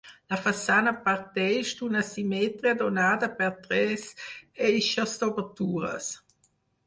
La façana parteix d'una simetria donada per tres eixos d'obertures.